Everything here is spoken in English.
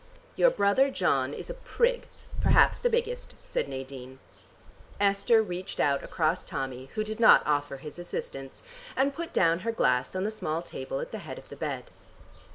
"Your brother John is a prig, perhaps the biggest," said Nadine. Esther reached out across Tommy, who did not offer his assistance and put down her glass on the small table at the head of the bed.